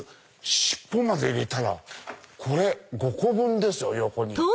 尻尾まで入れたらこれ５個分ですよ横に。